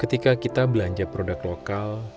ketika kita belanja produk lokal